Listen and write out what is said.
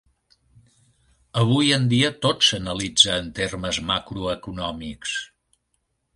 Avui en dia tot s'analitza en termes macroeconòmics.